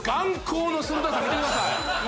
見てください。